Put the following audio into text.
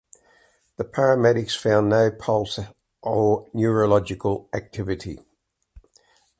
The paramedics found no pulse or neurological activity.